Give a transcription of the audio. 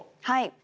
はい。